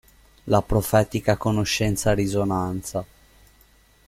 La profetica conoscenza-risonanza.